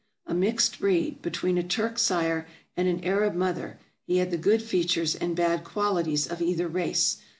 A mixed breed, between a Turk sire and an Arab mother, he had the good features and bad qualities of either race.